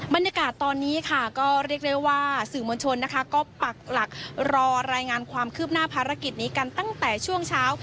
บรรยากาศตอนนี้ค่ะก็เรียกได้ว่าสื่อมวลชนนะคะก็ปักหลักรอรายงานความคืบหน้าภารกิจนี้กันตั้งแต่ช่วงเช้า